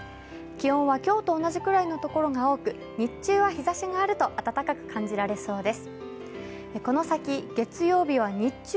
気温は今日と同じくらいのところが多く日中は日ざしがあると暖かく感じられそうです。